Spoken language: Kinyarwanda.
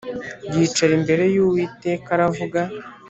yicara imbere y’Uwiteka aravuga